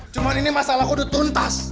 cuma ini masalahku sudah tuntas